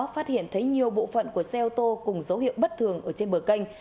phát hiện thấy nhiều bộ phận của xe ô tô cùng dấu hiệu bất thường trên bờ canh